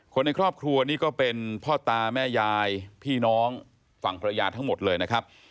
คนในครอบครัวนี่ก็เป็นพ่อตาแม่ยายพี่น้องฝั่งภรรยาทั้งหมดเลยนะครับ